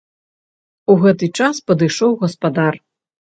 У гэты час падышоў гаспадар.